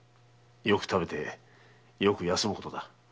よく食べてよく休むことだ。